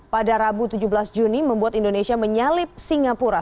pada rabu tujuh belas juni membuat indonesia menyalip singapura